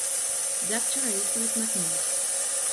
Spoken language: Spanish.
Dr. Elizabeth McNeil.